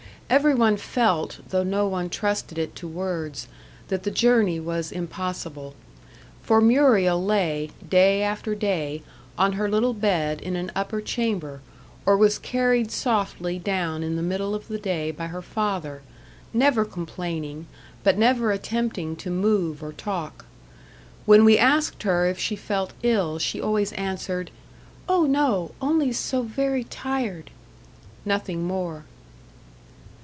Every one felt, though no one trusted it to words, that the journey was impossible. For Muriel lay, day after day, on her little bed in an upper chamber, or was carried softly down in the middle of the day by her father, never complaining, but never attempting to move or talk. When we asked her if she felt ill, she always answered, "Oh, no! only so very tired." Nothing more.